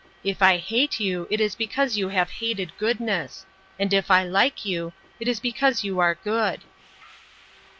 If I hate you it is because you have hated goodness. And if I like you...it is because you are good."